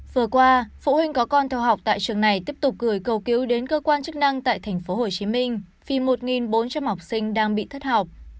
vừa qua phụ huynh có con theo học tại trường này tiếp tục gửi cầu cứu đến cơ quan chức năng tại tp hcm vì một bốn trăm linh học sinh đang bị thất học